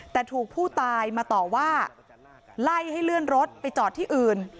แต่ถูกผู้ตายมาต่อว่าไล่ให้เลื่อนรถไปจอดที่อื่น